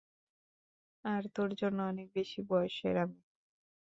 আর তোর জন্য অনেক বেশি বয়সের আমি।